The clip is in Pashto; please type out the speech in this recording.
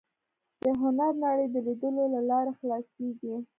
د هنر نړۍ د لیدلو له لارې خلاصېږي